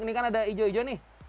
ini kan ada hijau hijau nih